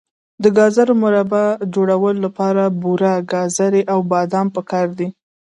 د ګازرو مربا جوړولو لپاره بوره، ګازرې او بادام پکار دي.